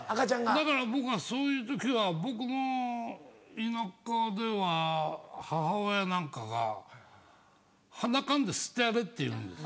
だから僕がそういう時は僕の田舎では母親なんかがはなかんで吸ってやれっていうんです。